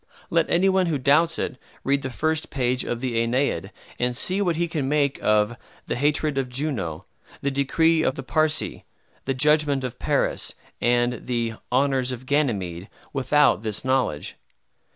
Let any one who doubts it read the first page of the "Aeneid," and see what he can make of "the hatred of Juno," the "decree of the Parcae," the "judgment of Paris," and the "honors of Ganymede," without this knowledge.